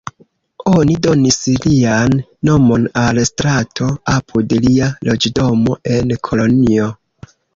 Oni donis lian nomon al strato apud lia loĝdomo en Kolonjo.